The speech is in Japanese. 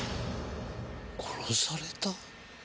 殺された！？